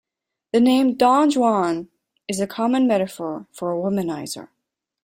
The name "Don Juan" is a common metaphor for a womanizer.